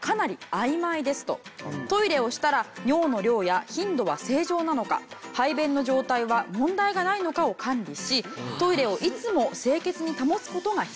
トイレをしたら尿の量や頻度は正常なのか排便の状態は問題がないのかを管理しトイレをいつも清潔に保つ事が必要です。